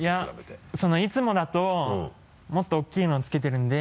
いやいつもだともっと大きいのをつけてるので。